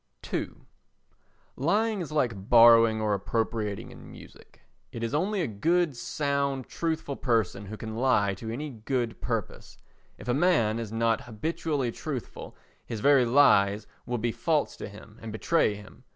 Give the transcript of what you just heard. ii Lying is like borrowing or appropriating in music. It is only a good, sound, truthful person who can lie to any good purpose; if a man is not habitually truthful his very lies will be false to him and betray him.